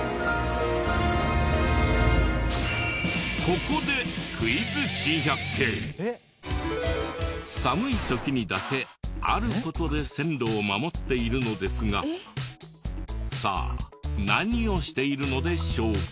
ここで寒い時にだけある事で線路を守っているのですがさあ何をしているのでしょうか？